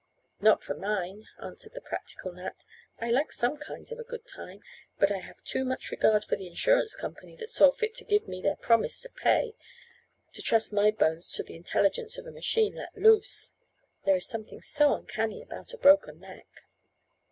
"Not for mine," answered the practical Nat. "I like some kinds of a good time, but I have too much regard for the insurance company that saw fit to give me their 'promise to pay,' to trust my bones to the intelligence of a machine let loose. There is something so uncanny about a broken neck."